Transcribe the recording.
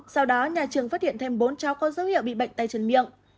sau đó nhà trường phát hiện thêm bốn cháu có dấu hiệu bị bệnh tay chân miệng